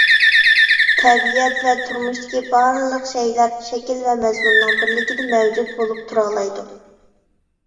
تەبىئەت ۋە تۇرمۇشتىكى بارلىق شەيئىلەر شەكىل ۋە مەزمۇننىڭ بىرلىكىدە مەۋجۇت بولۇپ تۇرالايدۇ.